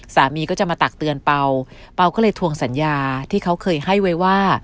สามีก็จะมาตักเตือนเปล่าเป่าก็เลยทวงสัญญาที่เขาเคยให้ไว้ว่า